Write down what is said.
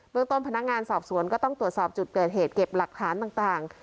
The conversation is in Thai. เมืองต้นพนักงานสอบสวนก็ต้องตรวจสอบจุดเกิดเหตุเก็บหลักฐานต่าง